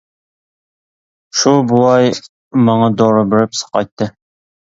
شۇ بوۋاي ماڭا دورا بېرىپ ساقايتتى.